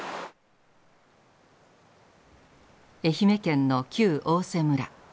愛媛県の旧大瀬村。